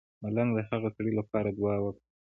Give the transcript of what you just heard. ملنګ د هغه سړی لپاره دعا وکړه.